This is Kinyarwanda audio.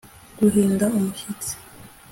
Guhinda umushyitsi